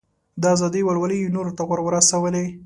د ازادۍ ولولې یې نورو ته ور ورسولې.